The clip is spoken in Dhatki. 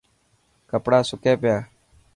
ڪپڙا سڪي پيا.